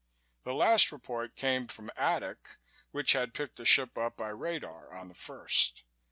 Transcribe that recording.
The last report came from Adak which had picked the ship up by radar on the first.